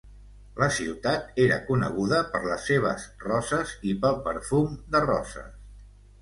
La ciutat era coneguda per les seves roses i pel perfum de roses.